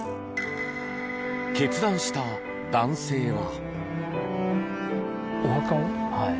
決断した男性は。